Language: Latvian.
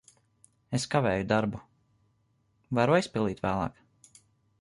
Es kavēju darbu. Varu aizpildīt vēlāk?